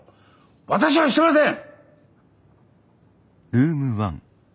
私はしてません！